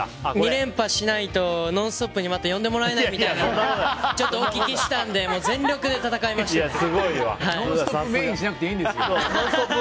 ２連覇しないと「ノンストップ！」に、また呼んでもらえないみたいなことをちょっとお聞きしたんで「ノンストップ！」